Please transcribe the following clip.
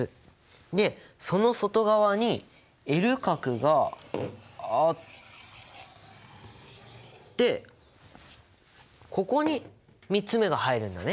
でその外側にＬ殻があってここに３つ目が入るんだね。